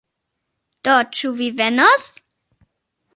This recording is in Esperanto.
Do, ĉu vi venos?